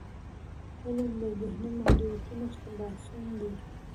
علم له ذهني محدودیتونو خلاصون دی.